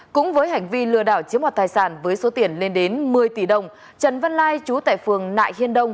cũng với hành vi lừa đảo chiếm hoạt tài sản với số tiền lên đến một mươi tỷ đồng trần văn lai chú tại phường nại hiên đông